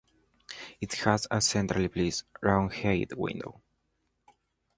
It has a centrally placed round-headed window.